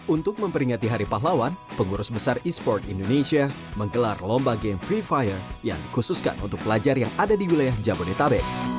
untuk memperingati hari pahlawan pengurus besar e sport indonesia menggelar lomba game free fire yang dikhususkan untuk pelajar yang ada di wilayah jabodetabek